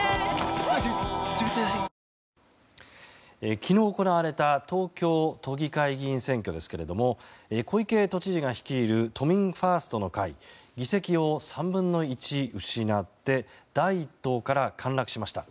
昨日行われた東京都議会議員選挙ですけども小池都知事が率いる都民ファーストの会議席を３分の１失って第一党から陥落しました。